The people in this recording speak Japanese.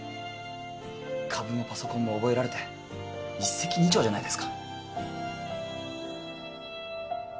株もパソコンも覚えられて一石二鳥じゃないですか。